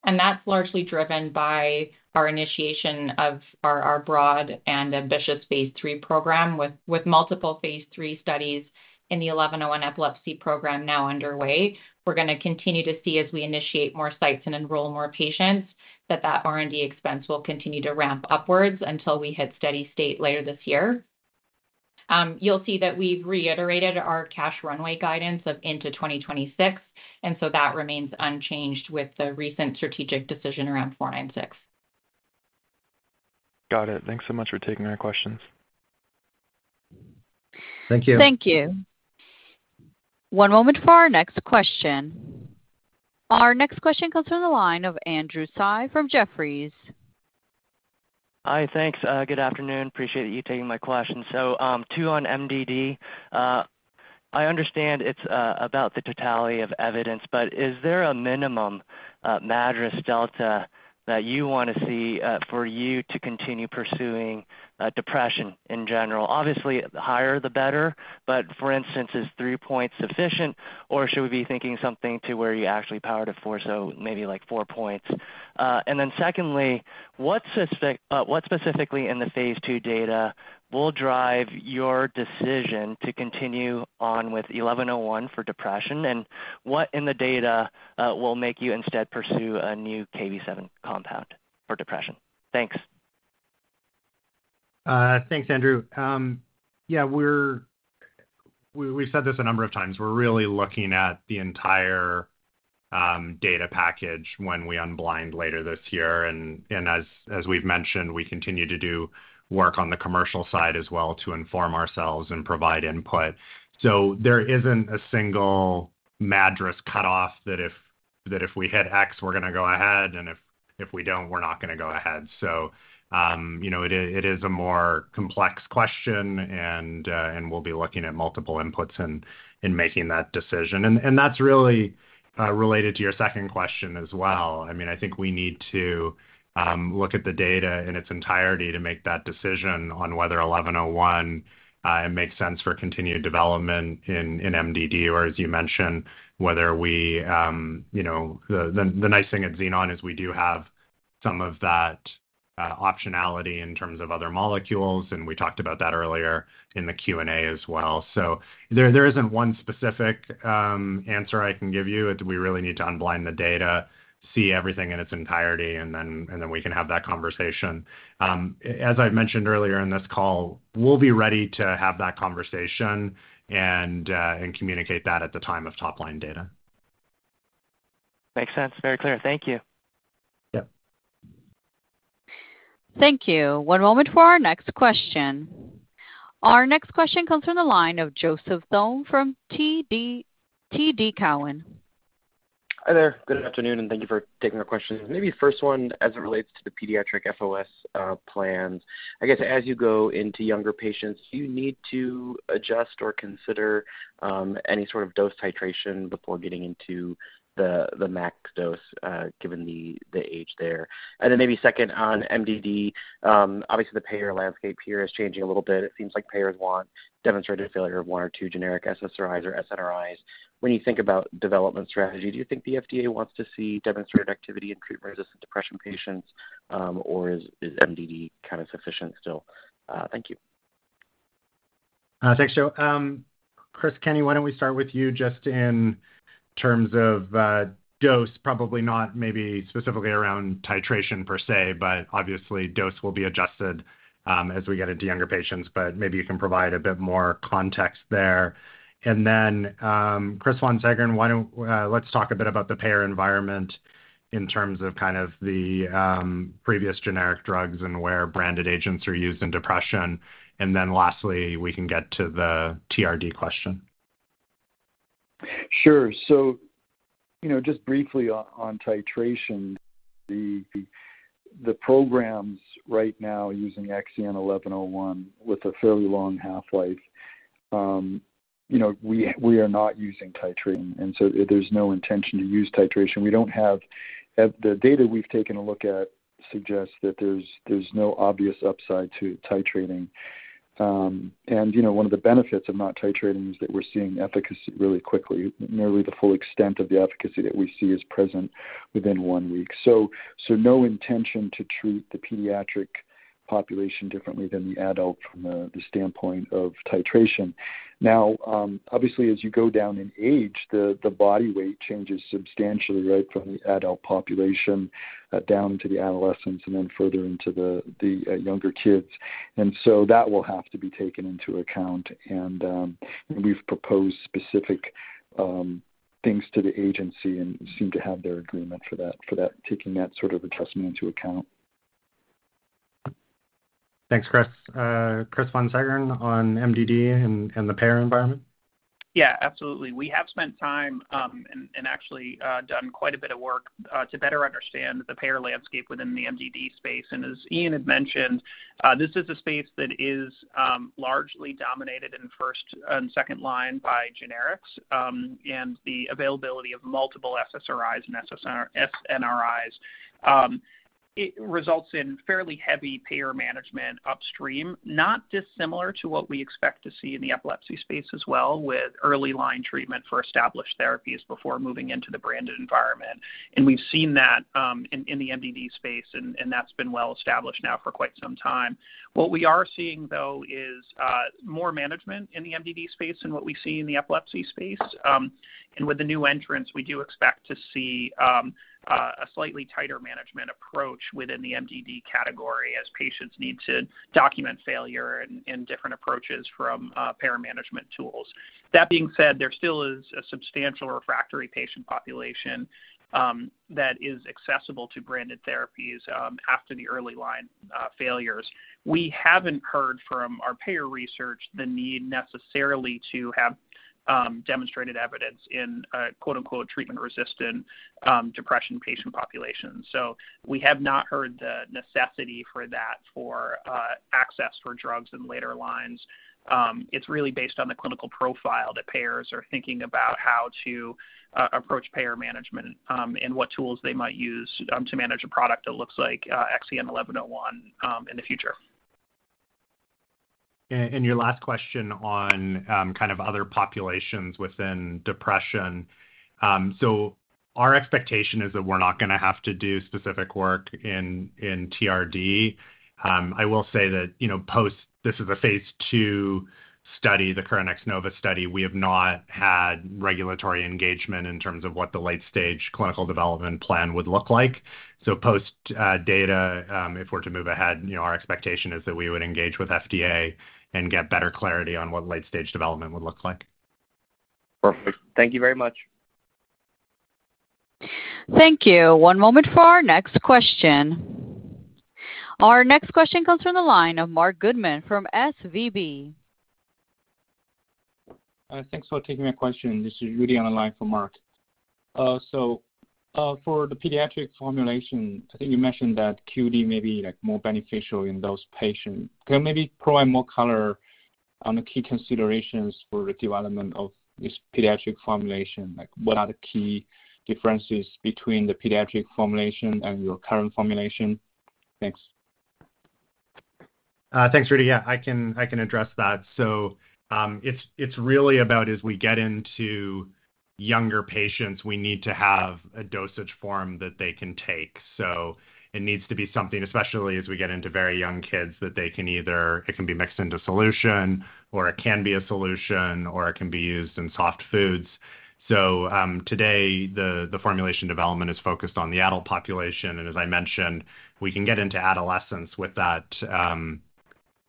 Speaker 2: and that's largely driven by our initiation of our broad and ambitious phase III program with multiple phase III studies in the XEN1101 epilepsy program now underway. We're gonna continue to see as we initiate more sites and enroll more patients, that R&D expense will continue to ramp upwards until we hit steady state later this year. You'll see that we've reiterated our cash runway guidance of into 2026, that remains unchanged with the recent strategic decision around XEN496.
Speaker 10: Got it. Thanks so much for taking our questions.
Speaker 3: Thank you.
Speaker 1: Thank you. One moment for our next question. Our next question comes from the line of Andrew Tsai from Jefferies.
Speaker 11: Hi. Thanks. Good afternoon. Appreciate you taking my question. Two on MDD. I understand it's about the totality of evidence, but is there a minimum MADRS delta that you wanna see for you to continue pursuing depression in general? Obviously, the higher the better, but for instance, is three points sufficient, or should we be thinking something to where you actually powered a four, so maybe like four points? Secondly, what specifically in the phase II data will drive your decision to continue on with XEN1101 for depression? And what in the data will make you instead pursue a new Kv7 compound for depression? Thanks.
Speaker 3: Thanks, Andrew. Yeah, we've said this a number of times. We're really looking at the entire data package when we unblind later this year. As we've mentioned, we continue to do work on the commercial side as well to inform ourselves and provide input. There isn't a single MADRS cutoff that if we hit X, we're gonna go ahead, and if we don't, we're not gonna go ahead. You know, it is a more complex question and we'll be looking at multiple inputs in making that decision. That's really related to your second question as well. I mean, I think we need to look at the data in its entirety to make that decision on whether XEN1101 makes sense for continued development in MDD or as you mentioned, whether we, you know. The nice thing at Xenon is we do have some of that optionality in terms of other molecules, and we talked about that earlier in the Q&A as well. There isn't one specific answer I can give you. We really need to unblind the data, see everything in its entirety, and then we can have that conversation. As I've mentioned earlier in this call, we'll be ready to have that conversation and communicate that at the time of top-line data.
Speaker 11: Makes sense. Very clear. Thank you.
Speaker 3: Yeah.
Speaker 1: Thank you. One moment for our next question. Our next question comes from the line of Joseph Thome from TD Cowen.
Speaker 12: Hi there. Good afternoon, and thank you for taking our questions. Maybe first one, as it relates to the pediatric FOS plans. I guess as you go into younger patients, do you need to adjust or consider any sort of dose titration before getting into the max dose given the age there? Maybe second on MDD. Obviously the payer landscape here is changing a little bit. It seems like payers want demonstrated failure of one or two generic SSRIs or SNRIs. When you think about development strategy, do you think the FDA wants to see demonstrated activity in treatment-resistant depression patients, or is MDD kind of sufficient still? Thank you.
Speaker 3: Thanks, Joe. Chris Kenney, why don't we start with you just in terms of dose, probably not maybe specifically around titration per se, but obviously dose will be adjusted as we get into younger patients, but maybe you can provide a bit more context there. Chris Von Seggern, let's talk a bit about the payer environment in terms of kind of the previous generic drugs and where branded agents are used in depression. Lastly, we can get to the TRD question.
Speaker 4: You know, just briefly on titration, the programs right now using XEN1101 with a fairly long half-life, you know, we are not using titrating. There's no intention to use titration. We don't have the data we've taken a look at suggests that there's no obvious upside to titrating. You know, one of the benefits of not titrating is that we're seeing efficacy really quickly. Nearly the full extent of the efficacy that we see is present within one week. So no intention to treat the pediatric population differently than the adult from the standpoint of titration. Obviously as you go down in age, the body weight changes substantially, right from the adult population, down to the adolescents and then further into the younger kids. That will have to be taken into account. We've proposed specific things to the agency and seem to have their agreement for that, taking that sort of adjustment into account.
Speaker 3: Thanks, Chris. Chris Von Seggern on MDD and the payer environment.
Speaker 7: Yeah, absolutely. We have spent time, and actually, done quite a bit of work, to better understand the payer landscape within the MDD space. As Ian had mentioned, this is a space that is largely dominated in first and second line by generics. The availability of multiple SSRIs and SNRIs, it results in fairly heavy payer management upstream, not dissimilar to what we expect to see in the epilepsy space as well with early line treatment for established therapies before moving into the branded environment. We've seen that in the MDD space and that's been well established now for quite some time. What we are seeing, though, is more management in the MDD space than what we see in the epilepsy space. With the new entrants, we do expect to see a slightly tighter management approach within the MDD category as patients need to document failure in different approaches from payer management tools. That being said, there still is a substantial refractory patient population that is accessible to branded therapies after the early line failures. We haven't heard from our payer research the need necessarily to have demonstrated evidence in a quote-unquote treatment-resistant depression patient population. We have not heard the necessity for that for access for drugs in later lines. It's really based on the clinical profile that payers are thinking about how to approach payer management and what tools they might use to manage a product that looks like XEN1101 in the future.
Speaker 3: Your last question on, kind of other populations within depression. Our expectation is that we're not gonna have to do specific work in TRD. I will say that, you know, this is a phase II study, the current X-NOVA study. We have not had regulatory engagement in terms of what the late-stage clinical development plan would look like. Post data, if we're to move ahead, you know, our expectation is that we would engage with FDA and get better clarity on what late-stage development would look like.
Speaker 12: Perfect. Thank you very much.
Speaker 1: Thank you. One moment for our next question. Our next question comes from the line of Marc Goodman from SVB.
Speaker 13: Thanks for taking my question. This is Rudy on the line for Marc. For the pediatric formulation, I think you mentioned that QD may be more beneficial in those patients. Can you maybe provide more color on the key considerations for the development of this pediatric formulation? What are the key differences between the pediatric formulation and your current formulation? Thanks.
Speaker 3: Thanks, Rudy. Yeah, I can address that. It's really about as we get into younger patients, we need to have a dosage form that they can take. It needs to be something, especially as we get into very young kids, that they can either be mixed into solution, or it can be a solution, or it can be used in soft foods. Today the formulation development is focused on the adult population, and as I mentioned, we can get into adolescence with that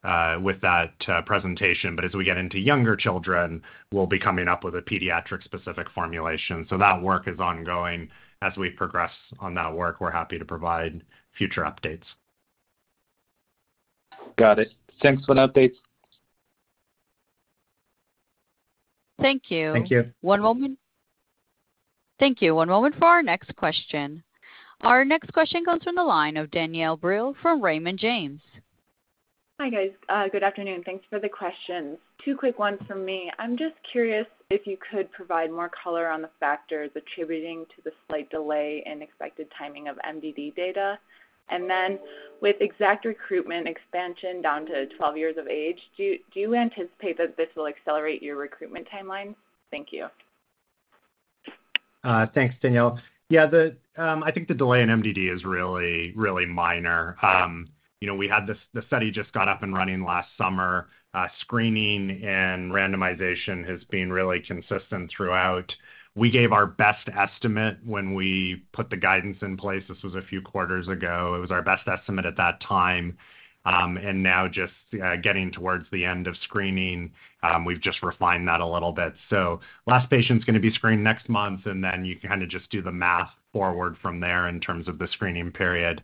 Speaker 3: presentation. As we get into younger children, we'll be coming up with a pediatric-specific formulation. That work is ongoing. As we progress on that work, we're happy to provide future updates.
Speaker 13: Got it. Thanks for the updates.
Speaker 1: Thank you.
Speaker 3: Thank you.
Speaker 1: One moment. Thank you. One moment for our next question. Our next question comes from the line of Danielle Brill from Raymond James.
Speaker 14: Hi, guys. good afternoon. Thanks for the questions. Two quick ones from me. I'm just curious if you could provide more color on the factors attributing to the slight delay in expected timing of MDD data. With X-ACKT recruitment expansion down to 12 years of age, do you anticipate that this will accelerate your recruitment timeline? Thank you.
Speaker 3: Thanks, Danielle. Yeah, I think the delay in MDD is really, really minor. You know, we had this. The study just got up and running last summer. Screening and randomization has been really consistent throughout. We gave our best estimate when we put the guidance in place. This was a few quarters ago. It was our best estimate at that time. And now just getting towards the end of screening, we've just refined that a little bit. Last patient's gonna be screened next month, and then you kind of just do the math forward from there in terms of the screening period,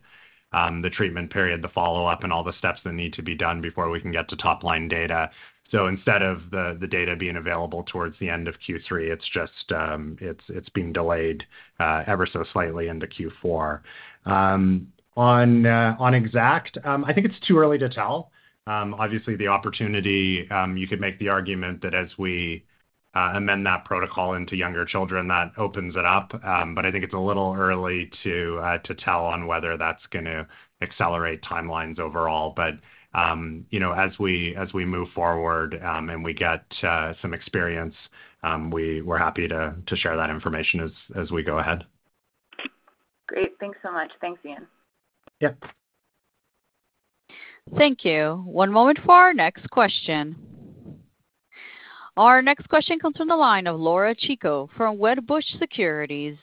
Speaker 3: the treatment period, the follow-up, and all the steps that need to be done before we can get to top-line data. Instead of the data being available towards the end of Q3, it's just, it's being delayed ever so slightly into Q4. On exact, I think it's too early to tell. Obviously the opportunity, you could make the argument that as we amend that protocol into younger children, that opens it up. I think it's a little early to tell on whether that's gonna accelerate timelines overall. You know, as we, as we move forward, and we get some experience, we're happy to share that information as we go ahead.
Speaker 14: Great. Thanks so much. Thanks, Ian.
Speaker 3: Yeah.
Speaker 1: Thank you. One moment for our next question. Our next question comes from the line of Laura Chico from Wedbush Securities.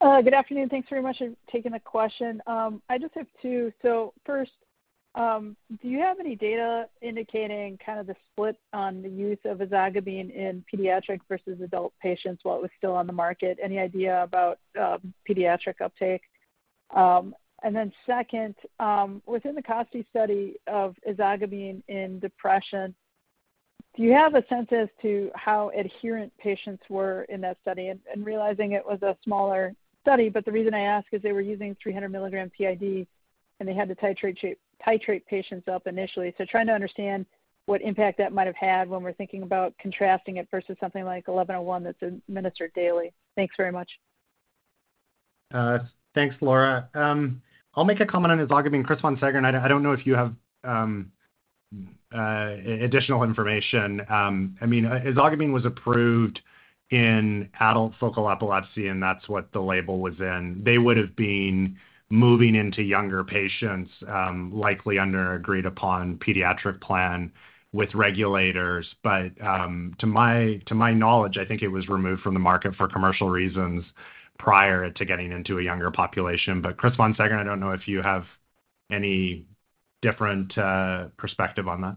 Speaker 15: Good afternoon. Thanks very much for taking the question. I just have two. First, do you have any data indicating kind of the split on the use of ezogabine in pediatric versus adult patients while it was still on the market? Any idea about pediatric uptake? Second, within the Costi study of ezogabine in depression, do you have a sense as to how adherent patients were in that study? Realizing it was a smaller study, but the reason I ask is they were using 300 mg TID, and they had to titrate patients up initially. Trying to understand what impact that might have had when we're thinking about contrasting it versus something like XEN1101 that's administered daily. Thanks very much.
Speaker 3: Thanks, Laura. I'll make a comment on ezogabine. Chris Von Seggern, I don't know if you have additional information. I mean, ezogabine was approved in adult focal epilepsy, and that's what the label was in. They would've been moving into younger patients, likely under agreed upon pediatric plan with regulators. To my knowledge, I think it was removed from the market for commercial reasons prior to getting into a younger population. Chris Von Seggern, I don't know if you have any different perspective on that.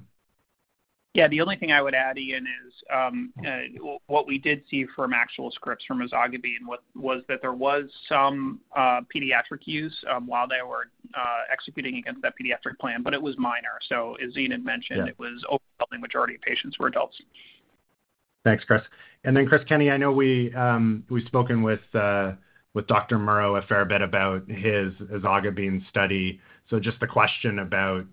Speaker 7: Yeah. The only thing I would add, Ian, is, what we did see from actual scripts from ezogabine was that there was some pediatric use while they were executing against that pediatric plan, but it was minor. As Ian had mentioned, it was overwhelmingly majority of patients were adults.
Speaker 3: Thanks, Chris. Chris Kenney, I know we've spoken with Dr. Murrough a fair bit about his ezogabine study. Just a question about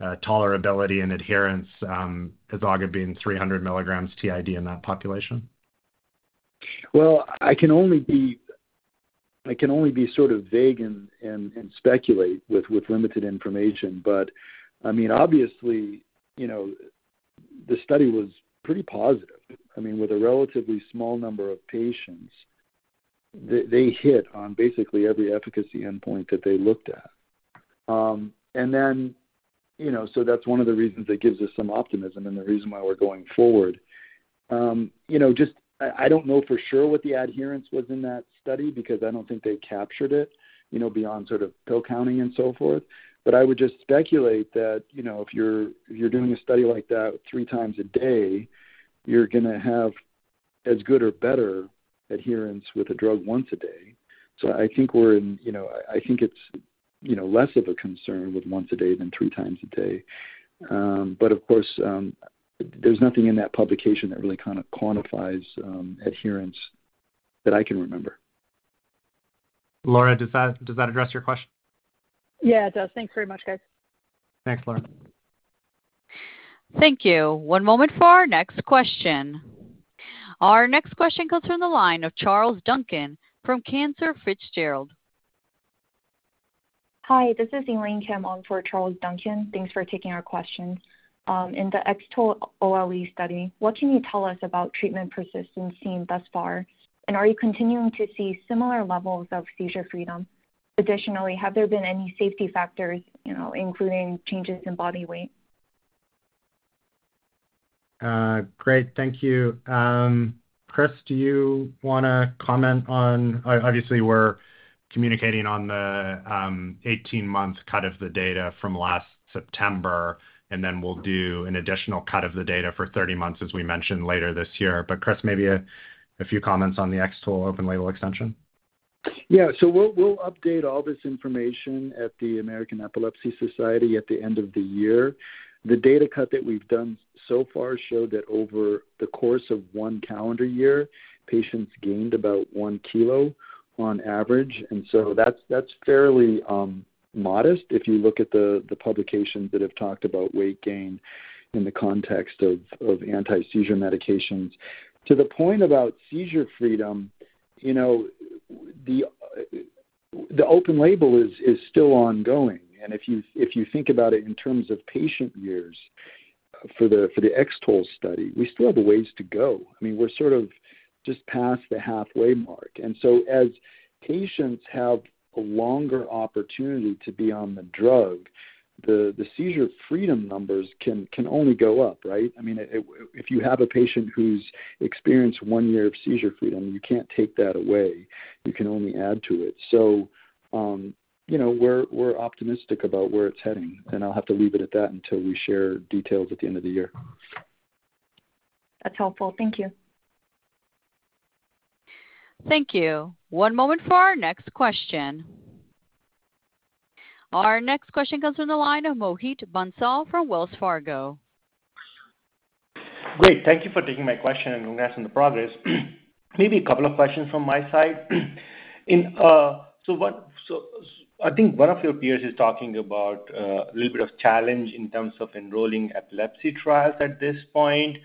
Speaker 3: tolerability and adherence, ezogabine 300 mg TID in that population.
Speaker 4: Well, I can only be sort of vague and speculate with limited information. I mean, obviously, you know, the study was pretty positive. I mean, with a relatively small number of patients, they hit on basically every efficacy endpoint that they looked at. Then, you know, so that's one of the reasons that gives us some optimism and the reason why we're going forward. You know, just I don't know for sure what the adherence was in that study because I don't think they captured it, you know, beyond sort of pill counting and so forth. I would just speculate that, you know, if you're doing a study like that three times a day, you're gonna have as good or better adherence with a drug once a day. I think we're in, you know—I think it's, you know, less of a concern with once a day than three times a day. Of course, there's nothing in that publication that really kind of quantifies adherence that I can remember.
Speaker 3: Laura, does that address your question?
Speaker 15: Yeah, it does. Thanks very much, guys.
Speaker 3: Thanks, Laura.
Speaker 1: Thank you. One moment for our next question. Our next question comes from the line of Charles Duncan from Cantor Fitzgerald.
Speaker 16: Hi, this is Elaine Kim on for Charles Duncan. Thanks for taking our questions. In the X-TOLE OLE study, what can you tell us about treatment persistency thus far, and are you continuing to see similar levels of seizure freedom? Additionally, have there been any safety factors, you know, including changes in body weight?
Speaker 3: Great. Thank you. Chris, do you wanna comment on, obviously, we're communicating on the 18-month cut of the data from last September, and then we'll do an additional cut of the data for 30 months, as we mentioned later this year. Chris, maybe a few comments on the X-TOLE open-label extension.
Speaker 4: We'll update all this information at the American Epilepsy Society at the end of the year. The data cut that we've done so far showed that over the course of one calendar year, patients gained about one kilo on average. That's fairly modest if you look at the publications that have talked about weight gain in the context of anti-seizure medications. To the point about seizure freedom, you know, the open label is still ongoing. If you think about it in terms of patient years for the X-TOLE study, we still have a ways to go. I mean, we're sort of just past the halfway mark. As patients have a longer opportunity to be on the drug, the seizure freedom numbers can only go up, right? I mean, if you have a patient who's experienced one year of seizure freedom, you can't take that away, you can only add to it. You know, we're optimistic about where it's heading, and I'll have to leave it at that until we share details at the end of the year.
Speaker 16: That's helpful. Thank you.
Speaker 1: Thank you. One moment for our next question. Our next question comes from the line of Mohit Bansal from Wells Fargo.
Speaker 17: Great. Thank you for taking my question and congrats on the progress. Maybe a couple of questions from my side. So I think one of your peers is talking about a little bit of challenge in terms of enrolling epilepsy trials at this point,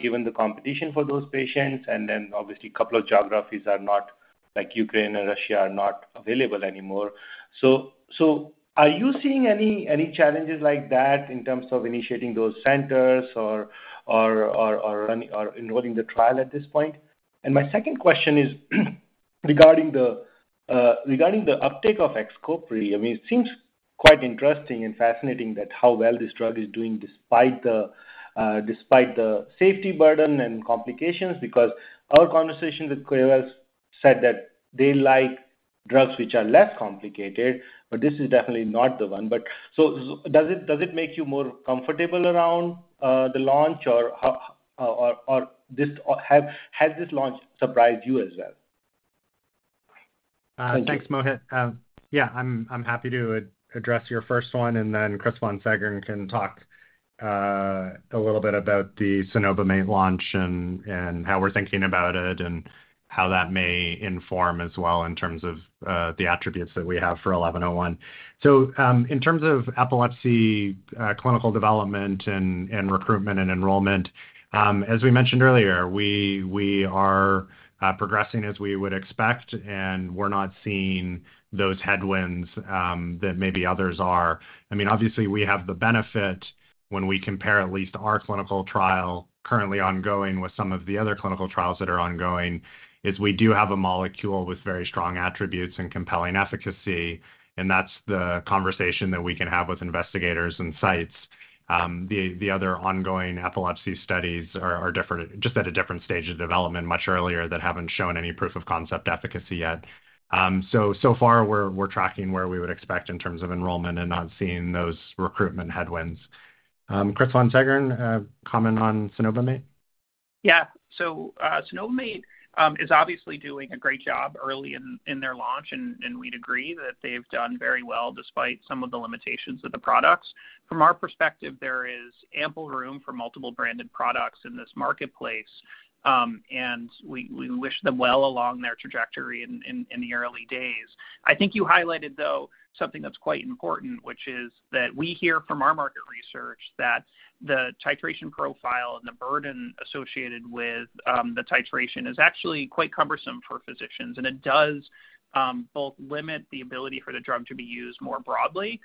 Speaker 17: given the competition for those patients, and then obviously couple of geographies are not, like Ukraine and Russia, are not available anymore. Are you seeing any challenges like that in terms of initiating those centers or running or enrolling the trial at this point? My second question is regarding the uptake of XCOPRI. I mean, it seems quite interesting and fascinating that how well this drug is doing despite the safety burden and complications. Our conversations with CareFirst said that they like drugs which are less complicated, but this is definitely not the one. Does it make you more comfortable around the launch or has this launch surprised you as well?
Speaker 3: Thanks, Mohit. Yeah, I'm happy to address your first one, Chris Von Seggern can talk a little bit about the cenobamate launch and how we're thinking about it and how that may inform as well in terms of the attributes that we have for XEN1101. In terms of epilepsy, clinical development and recruitment and enrollment, as we mentioned earlier, we are progressing as we would expect, and we're not seeing those headwinds that maybe others are. I mean, obviously we have the benefit when we compare at least our clinical trial currently ongoing with some of the other clinical trials that are ongoing, is we do have a molecule with very strong attributes and compelling efficacy, and that's the conversation that we can have with investigators and sites. The other ongoing epilepsy studies are different, just at a different stage of development, much earlier, that haven't shown any proof of concept efficacy yet. So far we're tracking where we would expect in terms of enrollment and not seeing those recruitment headwinds. Chris Von Seggern, comment on cenobamate.
Speaker 7: Yeah. Cenobamate is obviously doing a great job early in their launch, and we'd agree that they've done very well despite some of the limitations of the products. From our perspective, there is ample room for multiple branded products in this marketplace, and we wish them well along their trajectory in the early days. I think you highlighted, though, something that's quite important, which is that we hear from our market research that the titration profile and the burden associated with the titration is actually quite cumbersome for physicians. It does both limit the ability for the drug to be used more broadly,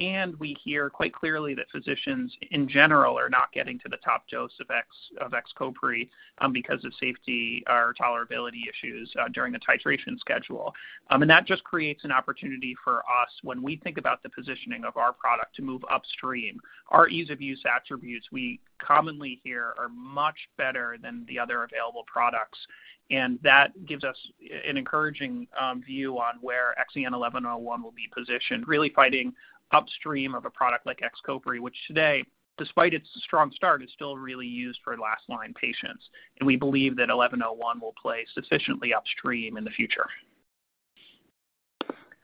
Speaker 7: and we hear quite clearly that physicians in general are not getting to the top dose of XCOPRI because of safety or tolerability issues during the titration schedule. That just creates an opportunity for us when we think about the positioning of our product to move upstream. Our ease-of-use attributes, we commonly hear, are much better than the other available products. That gives us an encouraging view on where XEN1101 will be positioned, really fighting upstream of a product like XCOPRI, which today, despite its strong start, is still really used for last-line patients. We believe that eleven oh one will play sufficiently upstream in the future.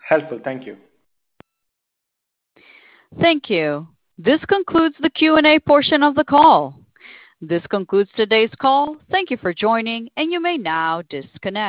Speaker 17: Helpful. Thank you.
Speaker 1: Thank you. This concludes the Q&A portion of the call. This concludes today's call. Thank you for joining, and you may now disconnect.